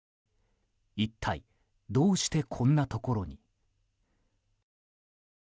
一体どうしてこんなところに。